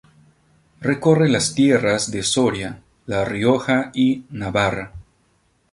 Recorre las tierras de Soria, La Rioja y Navarra.